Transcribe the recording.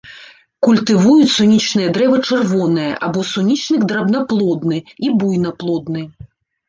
Культывуюць сунічнае дрэва чырвонае, або сунічнік драбнаплодны, і буйнаплодны.